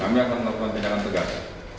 kami akan melakukan tindakan tegas